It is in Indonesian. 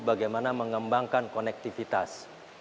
dan bagaimana mengembangkan konektivitas